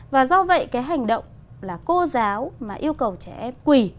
và do vậy cái hành động là cô giáo mà yêu cầu trẻ em quỷ